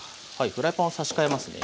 フライパンを差し替えますね。